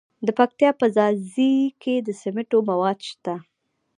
د پکتیا په ځاځي کې د سمنټو مواد شته.